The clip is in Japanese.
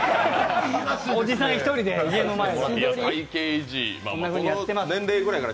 おじさん１人で、家の前で。